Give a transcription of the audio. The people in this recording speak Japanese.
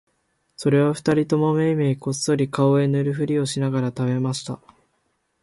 それは二人ともめいめいこっそり顔へ塗るふりをしながら喰べました